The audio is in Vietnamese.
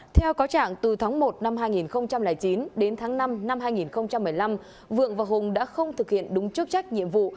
theo cáo trạng từ tháng một năm hai nghìn chín đến tháng năm năm hai nghìn một mươi năm vượng và hùng đã không thực hiện đúng chức trách nhiệm vụ